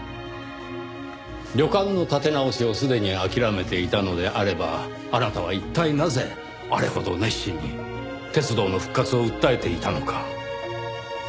旅館の立て直しをすでに諦めていたのであればあなたは一体なぜあれほど熱心に鉄道の復活を訴えていたのか。